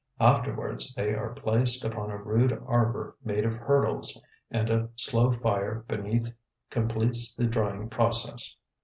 Afterwards they are placed upon a rude arbor made of hurdles and a slow fire beneath completes the drying process.